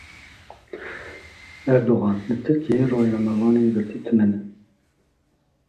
Erdogan Li Tirkiyeyê rojnamevanên girtî tune ne.